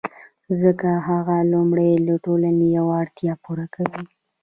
ځکه هغه لومړی د ټولنې یوه اړتیا پوره کوي